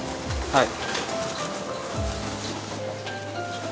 はい。